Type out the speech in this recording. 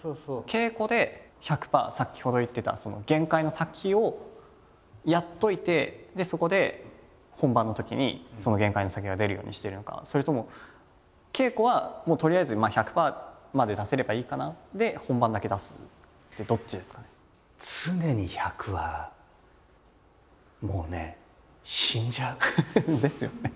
稽古で１００％先ほど言ってた限界の先をやっておいてそこで本番のときにその限界の先が出るようにしてるのかそれとも稽古はもうとりあえず１００％まで出せればいいかなで本番だけ出すってどっちですかね。ですよね。